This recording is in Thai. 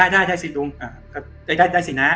อ๋อได้ซิลุงได้นะ